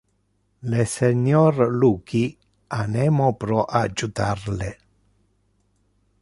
Le senior Iuchi ha nemo pro adjutar le.